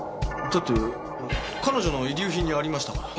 だって彼女の遺留品にありましたから。